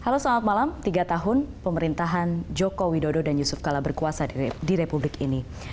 halo selamat malam tiga tahun pemerintahan joko widodo dan yusuf kala berkuasa di republik ini